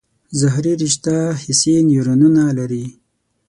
ظهري رشته حسي نیورونونه لري.